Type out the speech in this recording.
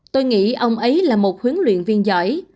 tôi nghĩ ông ấy là một huấn luyện viên giỏi